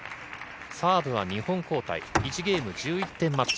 サーブは２本交代、１ゲーム１１点マッチ。